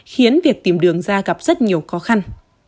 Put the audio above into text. khiến việc tìm đường ra gặp rất nhiều khó khăn